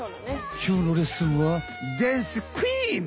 きょうのレッスンはダンスクイーン！